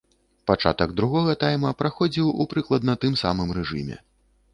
Пачатак другога тайма праходзіў у прыкладна тым самым рэжыме.